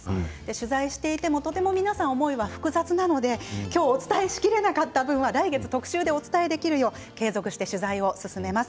取材していても皆さん思いが複雑なので今日お伝えしきれなかった分は来月、特集でお伝えできるよう継続して取材を進めます。